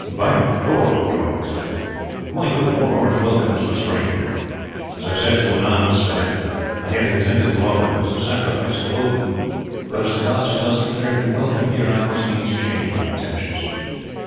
"By Thor!" Bijorn exclaimed, "my good war horse welcomes the stranger. As I said to you anon, Sweyn, I had intended to offer him as a sacrifice to Odin; but as the gods have thus declared him welcome here I must needs change my intentions.